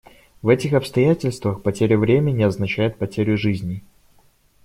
В этих обстоятельствах потеря времени означает потерю жизней.